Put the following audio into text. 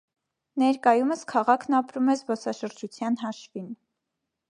Ներկայումս քաղաքն ապրում է զբոսաշրջության հաշվին։